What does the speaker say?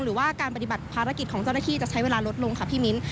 หรือว่าการปฏิบัติภารกิจของเจ้าหน้าที่จะใช้เวลาลดลงค่ะพี่มิ้น